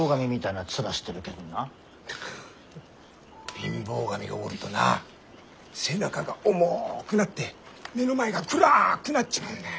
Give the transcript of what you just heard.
貧乏神がおるとな背中が重くなって目の前が暗くなっちまうんだ。